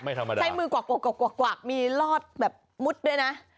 ไม่ธรรมดาใส่มือกวากมีรอดแบบมุดด้วยนะ